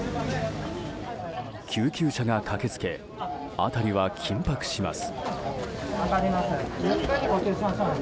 救急車が駆け付け辺りは緊迫します。